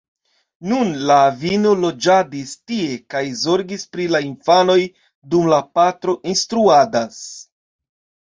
Nun la avino loĝadis tie kaj zorgis pri la infanoj, dum la patro instruadas.